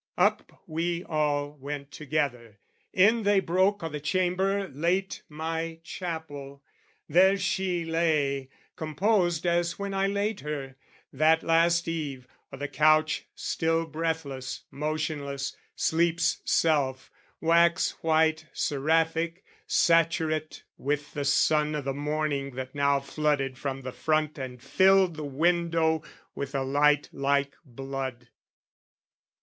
Up we all went together, in they broke O' the chamber late my chapel. There she lay, Composed as when I laid her, that last eve, O' the couch, still breathless, motionless, sleep's self, Wax white, seraphic, saturate with the sun O' the morning that now flooded from the front And filled the window with a light like blood.